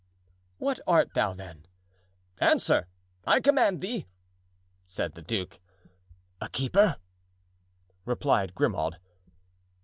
"What art thou, then? Answer! I command thee!" said the duke. "A keeper," replied Grimaud.